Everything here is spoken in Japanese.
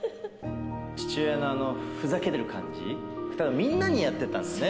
父親のふざけてる感じ、たぶんみんなにやってたんですね。